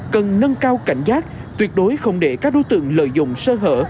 cần nâng cao cảnh giác tuyệt đối không để các đối tượng lợi dụng sơ hở